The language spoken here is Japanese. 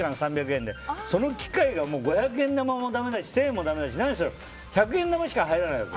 その機械がもう五百円玉もだめだし１０００円もだめだし百円玉しか入らないわけ。